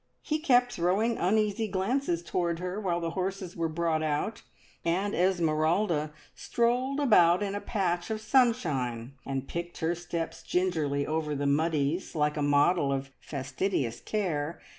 He kept throwing uneasy glances towards her while the horses were brought out, and Esmeralda strolled about in a patch of sunshine, and picked her steps gingerly over the muddles, like a model of fastidious care.